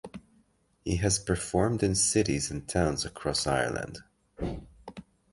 He has performed in cities and towns across Ireland.